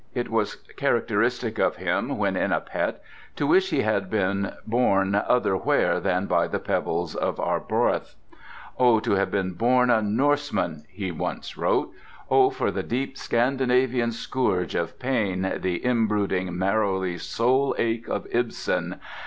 It was characteristic of him, when in a pet, to wish he had been born other where than by the pebbles of Arbroath. "Oh, to have been born a Norseman!" he wrote once. "Oh, for the deep Scandinavian scourge of pain, the inbrooding, marrowy soul ache of Ibsen!